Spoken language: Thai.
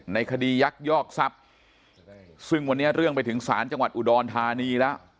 ในคดียักยอกทรัพย์ซึ่งวันนี้เรื่องไปถึงศาลจังหวัดอุดรธานีแล้ว